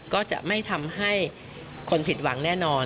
ก็จะไม่ทำให้คนผิดหวังแน่นอน